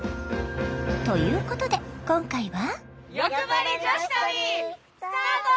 ということで今回は。